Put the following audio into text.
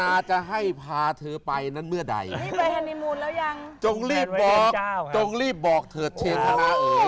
นี่ช่องไม่ได้แต่งนะไปเที่ยวกันทุกเดือนเลย